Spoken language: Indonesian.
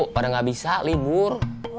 padahal gak bisa libur